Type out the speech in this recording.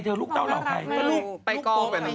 แต่เขาบอกว่านายน้ำต่ออากับน้ำต